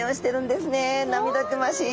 涙ぐましい。